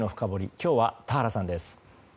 今日は田原さんです。